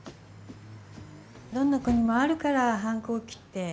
どんな子にもあるから反抗期って。